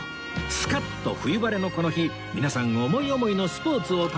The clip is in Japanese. スカッと冬晴れのこの日皆さん思い思いのスポーツを楽しむ中